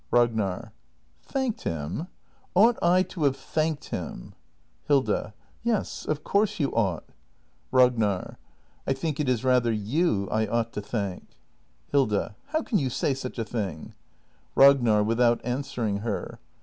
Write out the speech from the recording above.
Ragnar. Thanked him ? Ought I to have thanked him? Hilda. Yes, of course you ought! 412 THE MASTER BUILDER [act hi Ragnar. I think it is rather you I ought to thank. Hilda. How can you say such a thing? Ragnar. [Without answering her.